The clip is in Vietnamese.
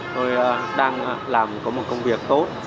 tôi đang làm có một công việc tốt